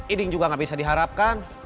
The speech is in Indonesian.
iding juga gak bisa diharapkan